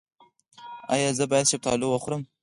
ایا زه باید شفتالو وخورم؟